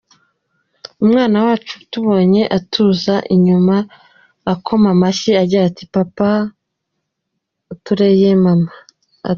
Umwana wacu atubonye atuza inyuma akoma amashyi ati “Papa ateruye mama!”.